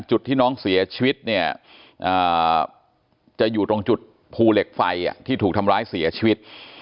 จุดที่น้องเสียชีวิตเนี่ยจะอยู่ตรงจุดภูเหล็กไฟที่ถูกทำร้ายเสียชีวิต